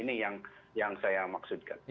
ini yang saya maksudkan